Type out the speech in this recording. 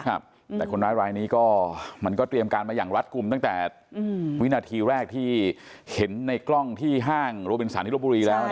แต่คนร้ายรายนี้ก็มันก็เตรียมการมาอย่างรัดกลุ่มตั้งแต่วินาทีแรกที่เห็นในกล้องที่ห้างโรบินสันที่รบบุรีแล้ว